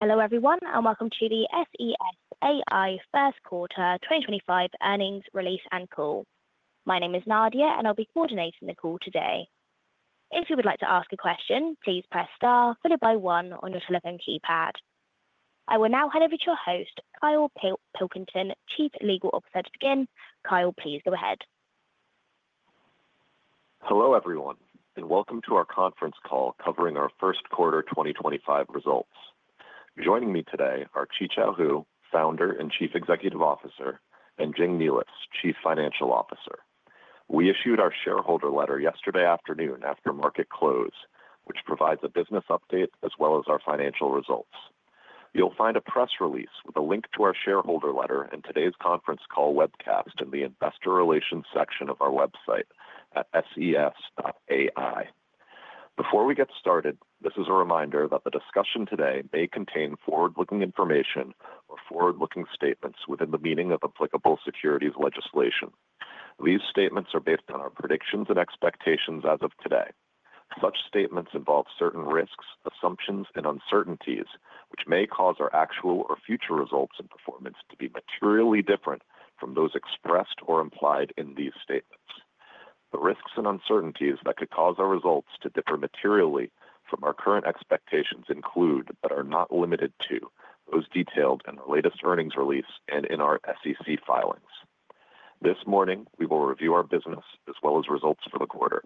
Hello everyone, and welcome to the SES AI First Quarter 2025 Earnings Release and Call. My name is Nadia, and I'll be coordinating the call today. If you would like to ask a question, please press star followed by one on your telephone keypad. I will now hand over to your host, Kyle Pilkington, Chief Legal Officer, to begin. Kyle, please go ahead. Hello everyone, and welcome to our conference call covering our first quarter 2025 results. Joining me today are Qichao Hu, Founder and Chief Executive Officer, and Jing Nealis, Chief Financial Officer. We issued our shareholder letter yesterday afternoon after market close, which provides a business update as well as our financial results. You'll find a press release with a link to our shareholder letter and today's conference call webcast in the investor relations section of our website at ses.ai. Before we get started, this is a reminder that the discussion today may contain forward-looking information or forward-looking statements within the meaning of applicable securities legislation. These statements are based on our predictions and expectations as of today. Such statements involve certain risks, assumptions, and uncertainties, which may cause our actual or future results and performance to be materially different from those expressed or implied in these statements. The risks and uncertainties that could cause our results to differ materially from our current expectations include, but are not limited to, those detailed in our latest earnings release and in our SEC filings. This morning, we will review our business as well as results for the quarter.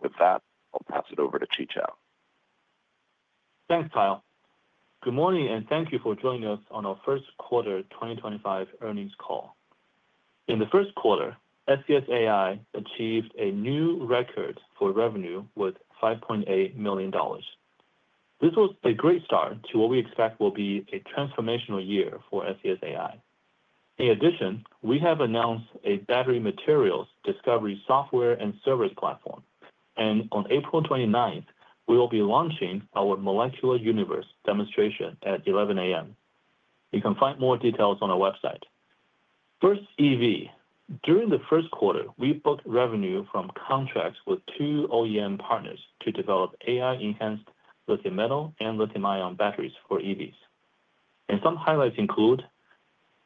With that, I'll pass it over to Qichao. Thanks, Kyle. Good morning, and thank you for joining us on our first quarter 2025 earnings call. In the first quarter, SES AI achieved a new record for revenue with $5.8 million. This was a great start to what we expect will be a transformational year for SES AI. In addition, we have announced a battery materials discovery software and service platform, and on April 29th, we will be launching our Molecular Universe demonstration at 11:00 A.M. You can find more details on our website. First EV, during the first quarter, we booked revenue from contracts with two OEM partners to develop AI-enhanced lithium-metal and lithium-ion batteries for EVs. Some highlights include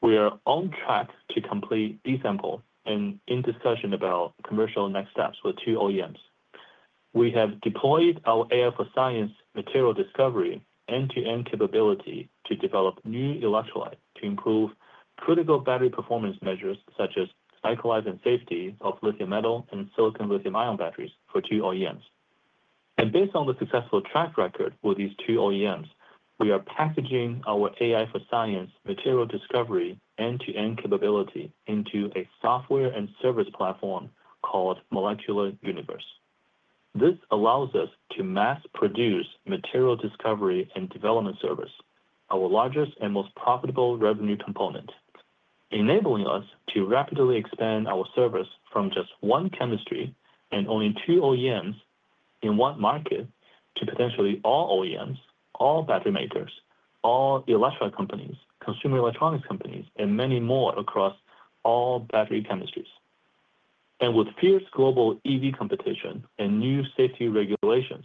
we are on track to complete B-sample and in discussion about commercial next steps with two OEMs. We have deployed our AI for science material discovery end-to-end capability to develop new electrolyte to improve critical battery performance measures such as cycle life and safety of lithium metal and silicon lithium-ion batteries for two OEMs. Based on the successful track record with these two OEMs, we are packaging our AI for science material discovery end-to-end capability into a software and service platform called Molecular Universe. This allows us to mass produce material discovery and development service, our largest and most profitable revenue component, enabling us to rapidly expand our service from just one chemistry and only two OEMs in one market to potentially all OEMs, all battery makers, all electric companies, consumer electronics companies, and many more across all battery chemistries. With fierce global EV competition and new safety regulations,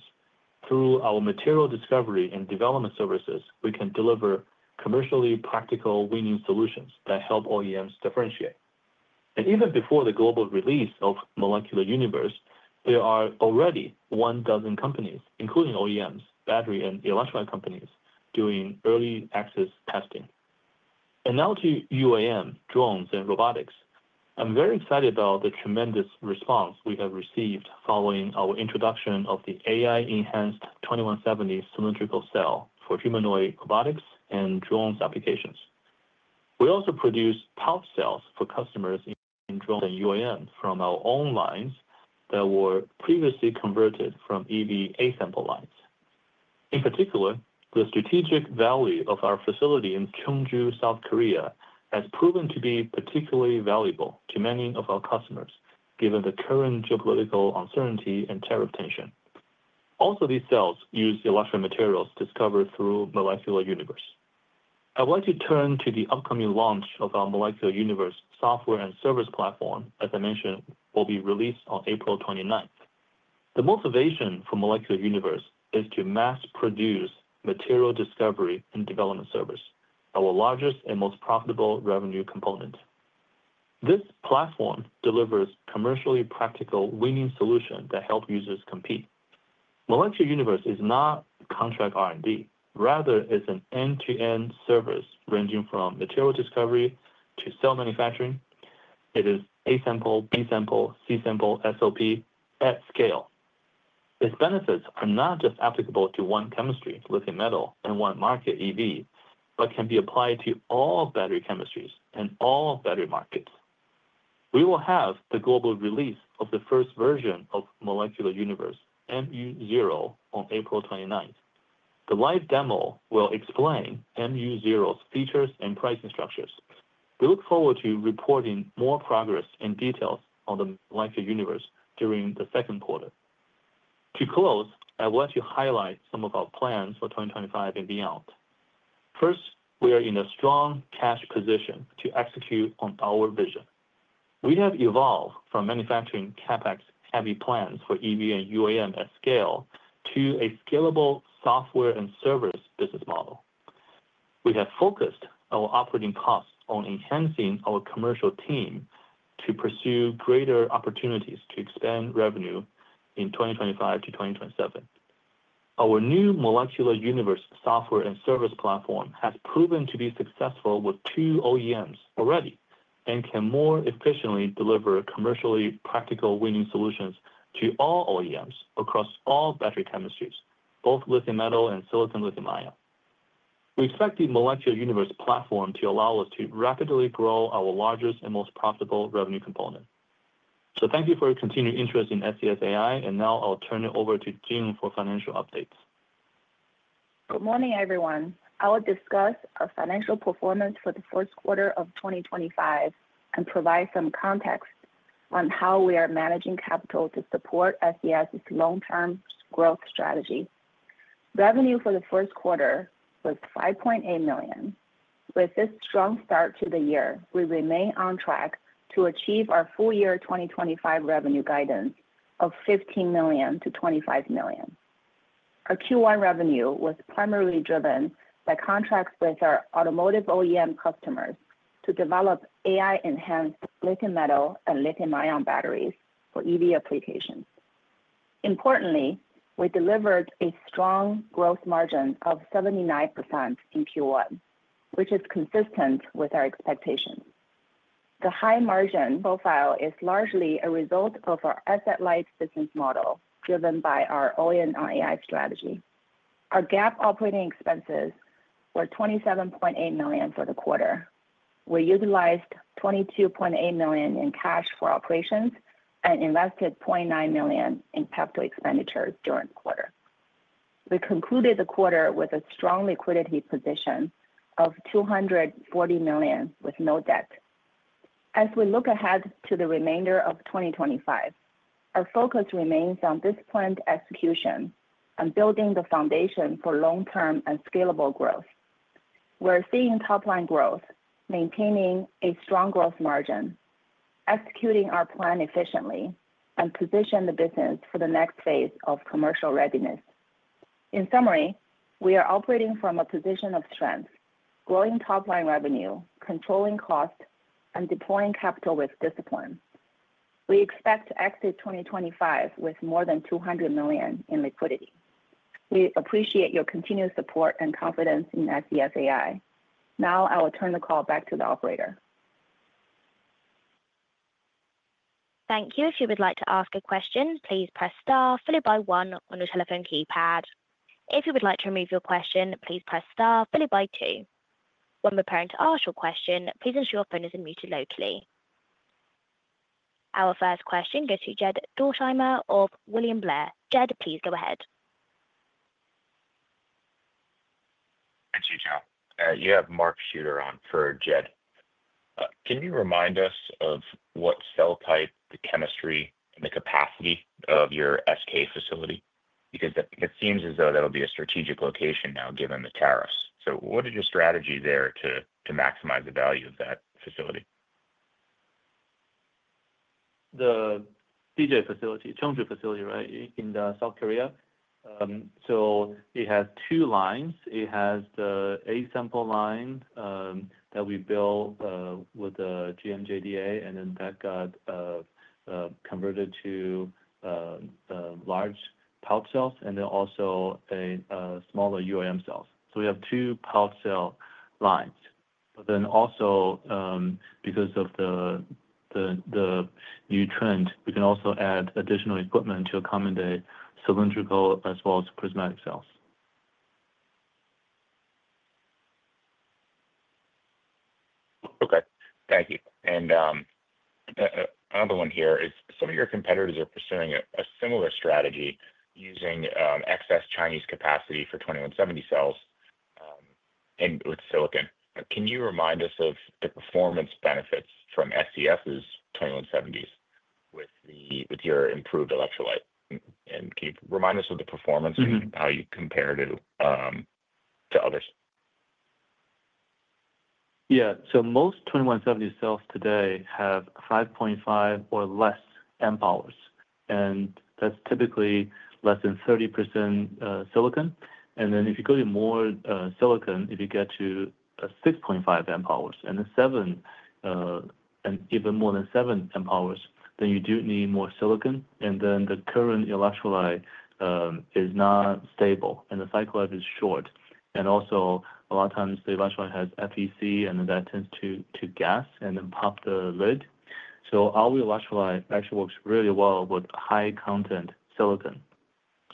through our material discovery and development services, we can deliver commercially practical winning solutions that help OEMs differentiate. Even before the global release of Molecular Universe, there are already one dozen companies, including OEMs, battery and electronic companies, doing early access testing. Now to UAM, drones, and robotics. I'm very excited about the tremendous response we have received following our introduction of the AI-enhanced 2170 cylindrical cell for humanoid robotics and drones applications. We also produce pulse cells for customers in drones and UAM from our own lines that were previously converted from EV A-sample lines. In particular, the strategic value of our facility in Chungju, South Korea, has proven to be particularly valuable to many of our customers given the current geopolitical uncertainty and tariff tension. Also, these cells use electric materials discovered through Molecular Universe. I want to turn to the upcoming launch of our Molecular Universe software and service platform, as I mentioned, will be released on April 29th. The motivation for Molecular Universe is to mass produce material discovery and development service, our largest and most profitable revenue component. This platform delivers commercially practical winning solutions that help users compete. Molecular Universe is not contract R&D; rather, it's an end-to-end service ranging from material discovery to cell manufacturing. It is A-Sample, B-Sample, C-Sample, SOP at scale. Its benefits are not just applicable to one chemistry, lithium metal, and one market, EV, but can be applied to all battery chemistries and all battery markets. We will have the global release of the first version of Molecular Universe, MU0, on April 29th. The live demo will explain MU0's features and pricing structures. We look forward to reporting more progress and details on the Molecular Universe during the second quarter. To close, I want to highlight some of our plans for 2025 and beyond. First, we are in a strong cash position to execute on our vision. We have evolved from manufacturing CapEx heavy plans for EV and UAM at scale to a scalable software and service business model. We have focused our operating costs on enhancing our commercial team to pursue greater opportunities to expand revenue in 2025 to 2027. Our new Molecular Universe software and service platform has proven to be successful with two OEMs already and can more efficiently deliver commercially practical winning solutions to all OEMs across all battery chemistries, both lithium metal and silicon lithium-ion. We expect the Molecular Universe platform to allow us to rapidly grow our largest and most profitable revenue component. Thank you for your continued interest in SES AI, and now I'll turn it over to Jing for financial updates. Good morning, everyone. I will discuss our financial performance for the first quarter of 2025 and provide some context on how we are managing capital to support SES's long-term growth strategy. Revenue for the first quarter was $5.8 million. With this strong start to the year, we remain on track to achieve our full year 2025 revenue guidance of $15 million-$25 million. Our Q1 revenue was primarily driven by contracts with our automotive OEM customers to develop AI-enhanced lithium metal and lithium-ion batteries for EV applications. Importantly, we delivered a strong gross margin of 79% in Q1, which is consistent with our expectations. The high margin profile is largely a result of our asset-light business model driven by our All-in on AI strategy. Our GAAP operating expenses were $27.8 million for the quarter. We utilized $22.8 million in cash for operations and invested $0.9 million in capital expenditures during the quarter. We concluded the quarter with a strong liquidity position of $240 million with no debt. As we look ahead to the remainder of 2025, our focus remains on disciplined execution and building the foundation for long-term and scalable growth. We're seeing top-line growth, maintaining a strong gross margin, executing our plan efficiently, and positioning the business for the next phase of commercial readiness. In summary, we are operating from a position of strength, growing top-line revenue, controlling cost, and deploying capital with discipline. We expect to exit 2025 with more than $200 million in liquidity. We appreciate your continued support and confidence in SES AI. Now I will turn the call back to the operator. Thank you. If you would like to ask a question, please press star followed by one on your telephone keypad. If you would like to remove your question, please press star followed by two. When preparing to ask your question, please ensure your phone is muted locally. Our first question goes to Jed Dorsheimer of William Blair. Jed, please go ahead. Thanks, Qichao. You have Mark Shooter on for Jed. Can you remind us of what cell type, the chemistry, and the capacity of your SK facility? Because it seems as though that'll be a strategic location now given the tariffs. What is your strategy there to maximize the value of that facility? The SK facility, Chungju facility, right, in South Korea. It has two lines. It has the A-Sample line that we built with the GM JDA, and then that got converted to large pulse cells and also smaller UAM cells. We have two pulse cell lines. Also, because of the new trend, we can add additional equipment to accommodate cylindrical as well as prismatic cells. Okay. Thank you. Another one here is some of your competitors are pursuing a similar strategy using excess Chinese capacity for 2170 cells with silicon. Can you remind us of the performance benefits from SES's 2170s with your improved electrolyte? Can you remind us of the performance and how you compare it to others? Yeah. Most 2170 cells today have 5.5 or less amp hours, and that's typically less than 30% silicon. If you go to more silicon, if you get to 6.5 amp hours and even more than 7 amp hours, you do need more silicon. The current electrolyte is not stable, and the cycle life is short. Also, a lot of times the electrolyte has FEC, and that tends to gas and pop the lid. Our electrolyte actually works really well with high-content silicon.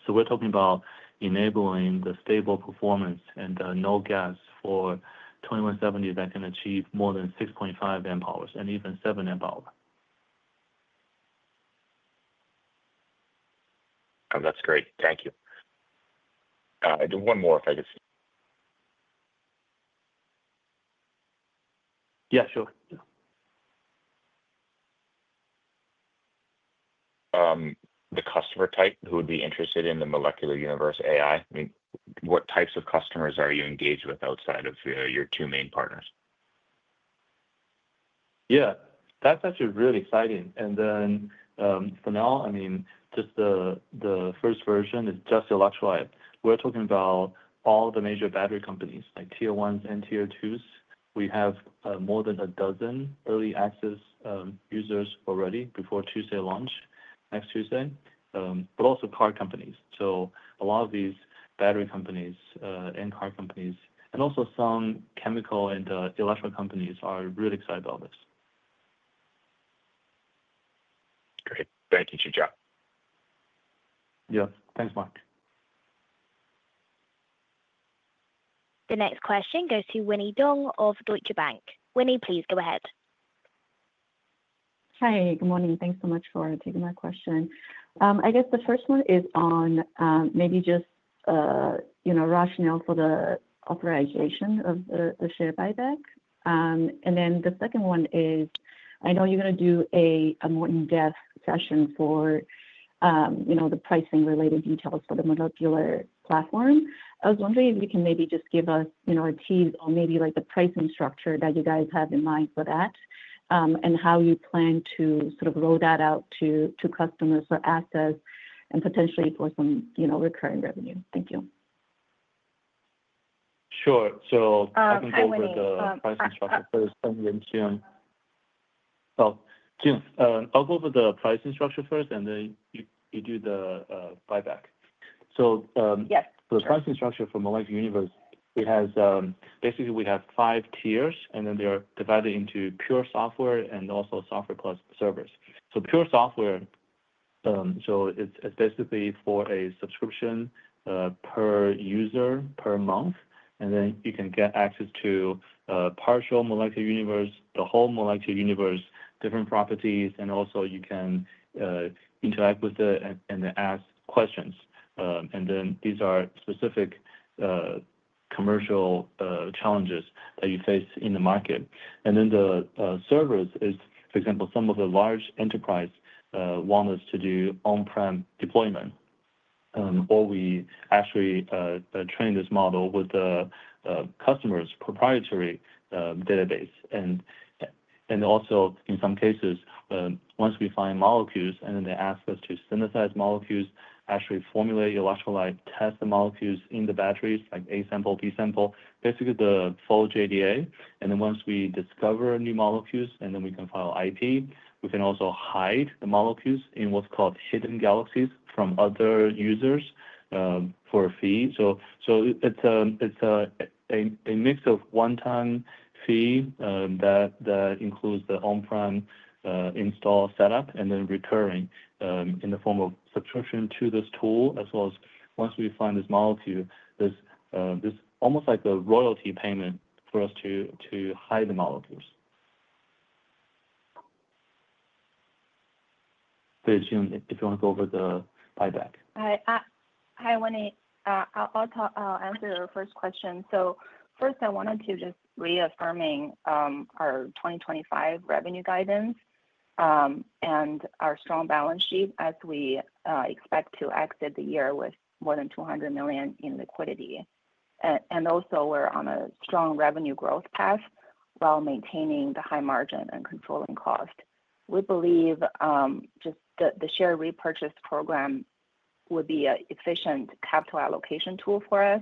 We're talking about enabling the stable performance and no gas for 2170s that can achieve more than 6.5 amp hours and even 7 amp hours. That's great. Thank you. I'll do one more if I could see. Yeah, sure. The customer type who would be interested in the Molecular Universe AI, what types of customers are you engaged with outside of your two main partners? Yeah, that's actually really exciting. For now, I mean, just the first version is just electrolyte. We're talking about all the major battery companies like Tier 1s and Tier 2s. We have more than a dozen early access users already before Tuesday launch, next Tuesday, but also car companies. A lot of these battery companies and car companies, and also some chemical and electric companies are really excited about this. Great. Thank you, Qichao. Yeah. Thanks, Mark. The next question goes to Winnie Dong of Deutsche Bank. Winnie, please go ahead. Hi, good morning. Thanks so much for taking my question. I guess the first one is on maybe just rationale for the authorization of the share buyback. The second one is I know you're going to do a more in-depth session for the pricing-related details for the molecular platform. I was wondering if you can maybe just give us a tease on maybe the pricing structure that you guys have in mind for that and how you plan to sort of roll that out to customers for assets and potentially for some recurring revenue. Thank you. Sure. I can go over the pricing structure first and then Jing. Oh, Jing, I'll go over the pricing structure first, and then you do the buyback. The pricing structure for Molecular Universe, basically, we have five tiers, and they are divided into pure software and also software plus servers. Pure software, it's basically for a subscription per user per month, and then you can get access to partial Molecular Universe, the whole Molecular Universe, different properties, and also you can interact with it and then ask questions. These are specific commercial challenges that you face in the market. The servers is, for example, some of the large enterprise want us to do on-prem deployment, or we actually train this model with the customer's proprietary database. Also, in some cases, once we find molecules, and then they ask us to synthesize molecules, actually formulate electrolyte, test the molecules in the batteries like A-Sample, B-Sample, basically the full JDA. Once we discover new molecules, we can file IP, we can also hide the molecules in what's called hidden galaxies from other users for a fee. It's a mix of one-time fee that includes the on-prem install setup and then recurring in the form of subscription to this tool, as well as once we find this molecule, this almost like a royalty payment for us to hide the molecules. If you want to go over the buyback. Hi, Winnie. I'll answer your first question. First, I wanted to just reaffirm our 2025 revenue guidance and our strong balance sheet as we expect to exit the year with more than $200 million in liquidity. Also, we're on a strong revenue growth path while maintaining the high margin and controlling cost. We believe just the share repurchase program would be an efficient capital allocation tool for us.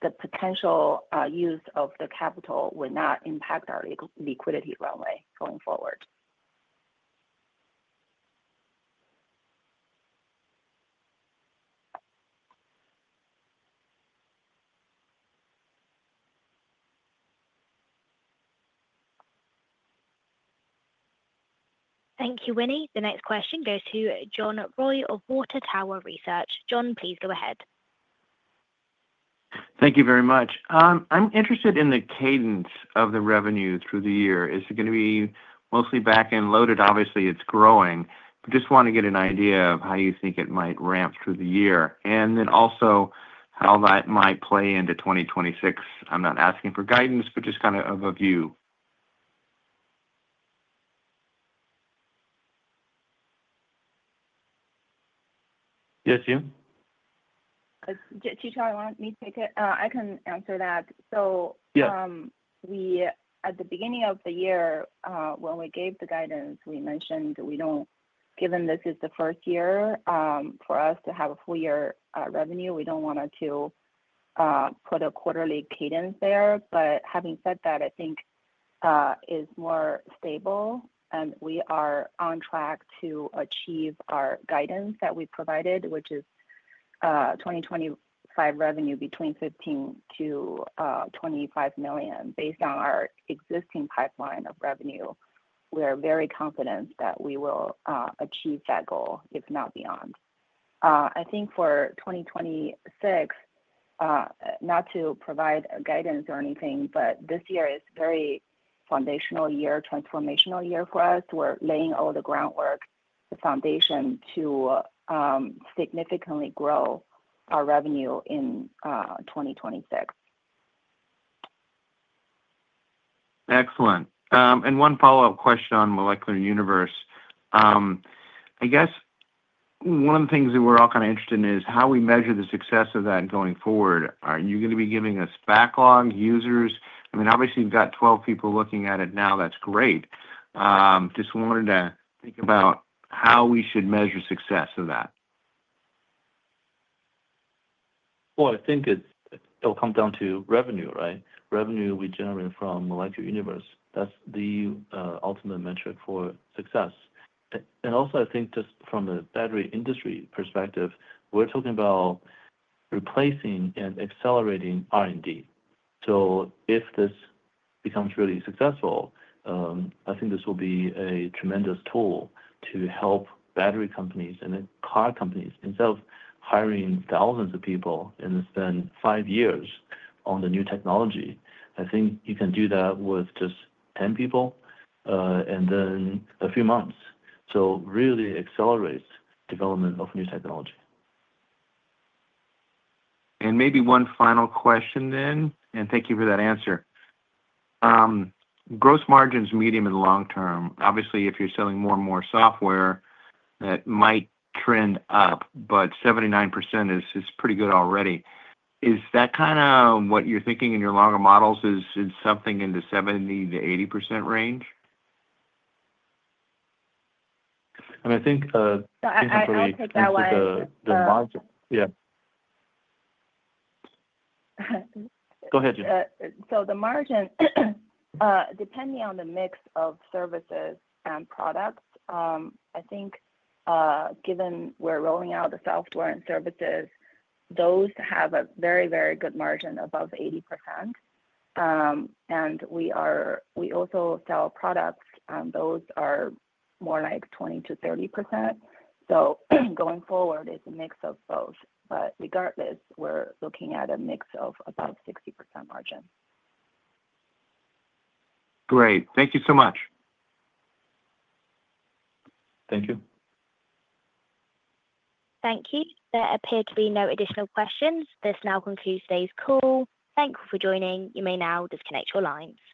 The potential use of the capital would not impact our liquidity runway going forward. Thank you, Winnie. The next question goes to John Roy of Water Tower Research. John, please go ahead. Thank you very much. I'm interested in the cadence of the revenue through the year. Is it going to be mostly back and loaded? Obviously, it's growing. Just want to get an idea of how you think it might ramp through the year, and then also how that might play into 2026. I'm not asking for guidance, but just kind of a view. Yes, Jing? Jing, do you want me to take it? I can answer that. At the beginning of the year, when we gave the guidance, we mentioned that given this is the first year for us to have a full year revenue, we do not want to put a quarterly cadence there. Having said that, I think it is more stable, and we are on track to achieve our guidance that we provided, which is 2025 revenue between $15-$25 million. Based on our existing pipeline of revenue, we are very confident that we will achieve that goal, if not beyond. I think for 2026, not to provide guidance or anything, but this year is a very foundational year, transformational year for us. We are laying all the groundwork, the foundation to significantly grow our revenue in 2026. Excellent. One follow-up question on Molecular Universe. I guess one of the things that we're all kind of interested in is how we measure the success of that going forward. Are you going to be giving us backlog users? I mean, obviously, you've got 12 people looking at it now. That's great. Just wanted to think about how we should measure success of that. I think it'll come down to revenue, right? Revenue we generate from Molecular Universe. That's the ultimate metric for success. Also, I think just from a battery industry perspective, we're talking about replacing and accelerating R&D. If this becomes really successful, I think this will be a tremendous tool to help battery companies and car companies. Instead of hiring thousands of people and then spend five years on the new technology, I think you can do that with just 10 people and then a few months. It really accelerates development of new technology. Maybe one final question then, and thank you for that answer. Gross margins, medium and long term. Obviously, if you're selling more and more software, that might trend up, but 79% is pretty good already. Is that kind of what you're thinking in your longer models is something in the 70-80% range? I think. I can take that one. Yeah. Go ahead, Jing. The margin, depending on the mix of services and products, I think given we're rolling out the software and services, those have a very, very good margin above 80%. And we also sell products, and those are more like 20-30%. Going forward, it's a mix of both. Regardless, we're looking at a mix of about 60% margin. Great. Thank you so much. Thank you. Thank you. There appear to be no additional questions. This now concludes today's call. Thank you for joining. You may now disconnect your lines.